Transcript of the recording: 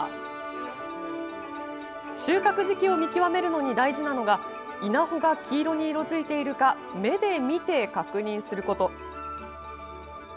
収穫時期を見極めるのに大事なのが稲穂が黄色に色づいてるか目で見て、確認すること。